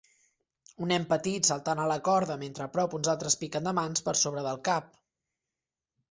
Un nen petit saltant a la corda mentre a prop uns altres piquen de mans per sobre del cap.